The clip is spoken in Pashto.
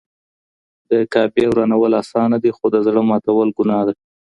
د کعبې ورانول اسانه دي خو د زړه ماتول ګناه ده.